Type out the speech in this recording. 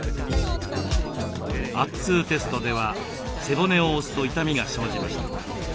圧痛テストでは背骨を押すと痛みが生じました。